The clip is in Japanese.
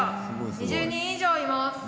２０人以上います。